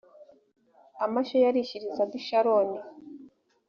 amashyo yarishirizaga i sharoni